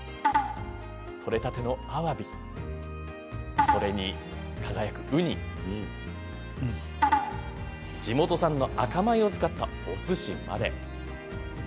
取れたてのあわび、うに地元産の赤米を使ったおすしまで。